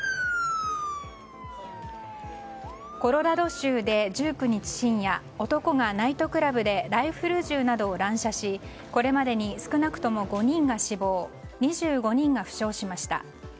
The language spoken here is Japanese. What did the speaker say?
コロラド州で１９日深夜男がナイトクラブでライフル銃などを乱射しこれまでに少なくとも５人が死亡２５人が負傷しました。